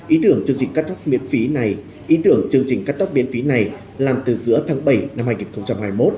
ý tưởng chương trình cắt tóc miễn phí này làm từ giữa tháng bảy năm hai nghìn hai mươi một